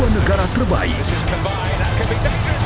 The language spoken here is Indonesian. tiga puluh dua negara terbaik